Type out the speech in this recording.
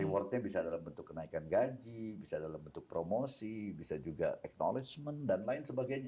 rewardnya bisa dalam bentuk kenaikan gaji bisa dalam bentuk promosi bisa juga achnologement dan lain sebagainya